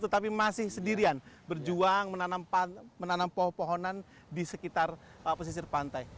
tetapi masih sendirian berjuang menanam pohon pohonan di sekitar pesisir pantai